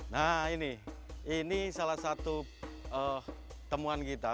nah ini ini salah satu temuan kita